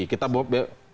kita beberkan kebun